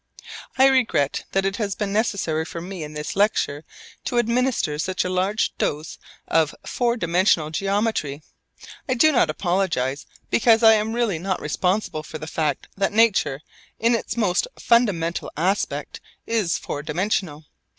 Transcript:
I regret that it has been necessary for me in this lecture to administer such a large dose of four dimensional geometry. I do not apologise, because I am really not responsible for the fact that nature in its most fundamental aspect is four dimensional.